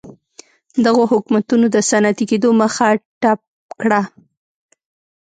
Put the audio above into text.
دغو حکومتونو د صنعتي کېدو مخه ډپ کړه.